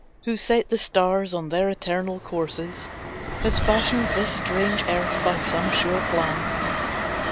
Who set the stars on their eternal courses Has fashioned this strange earth by some sure plan.